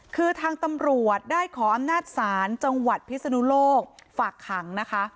คือทางตำรวจได้ขออำนาจศาลจังหวัดพิศนุโลกฝากขังนะคะ